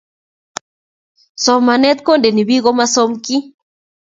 Somanet kundeni piik komasomkii